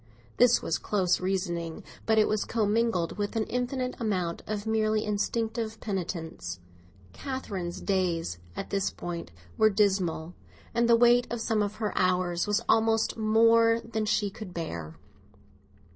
This was close reasoning; but it was commingled with an infinite amount of merely instinctive penitence. Catherine's days at this time were dismal, and the weight of some of her hours was almost more than she could bear.